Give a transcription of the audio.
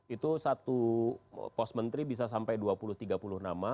itu satu pos menteri bisa sampai dua puluh tiga puluh nama